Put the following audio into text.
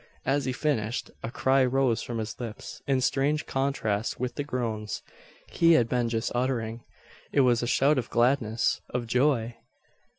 As he finished, a cry rose from his lips, in strange contrast with the groans he had been just uttering. It was a shout of gladness, of joy!